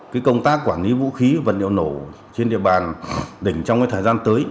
cái công tác quản lý vũ khí vật liệu lổ trên địa bàn đỉnh trong cái thời gian tới